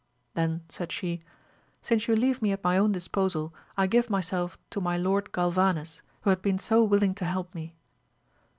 Then said she, since you leave me at my own disposal, I give myself to my Lord Galvanes, who hath been so willing to help me.